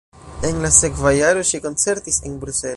En la sekva jaro ŝi koncertis en Bruselo.